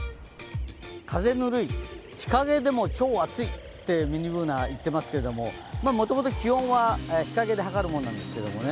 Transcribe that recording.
風ぬるい、日陰でも超暑いとミニＢｏｏｎａは言っていますがもともと気温は日陰で測るものなんですけどね。